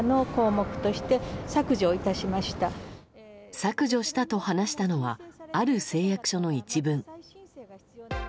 削除したと話したのはある誓約書の一文。